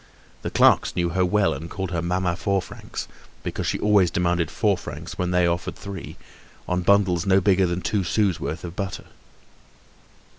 The clerks knew her well and called her "Mamma Four Francs," because she always demanded four francs when they offered three, on bundles no bigger than two sous' worth of butter.